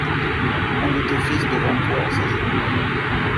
un, de tes fils devant toi s'agenouille.